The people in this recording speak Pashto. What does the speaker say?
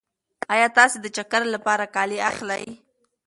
ایا تاسې د چکر لپاره کالي اخلئ؟